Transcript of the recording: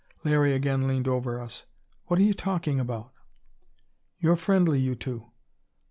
Larry again leaned over us. "What are you talking about?" "You're friendly, you two.